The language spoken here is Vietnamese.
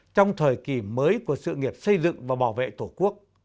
trong thời kỳ mới của sự nghiệp xây dựng và bảo vệ tổ quốc